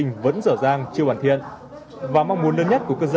làm gì còn vốn nữa